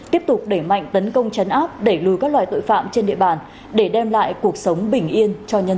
tiếp tục để mạnh tấn công chấn áp để lùi các loài tội phạm trên địa bàn để đem lại cuộc sống bình yên cho nhân dân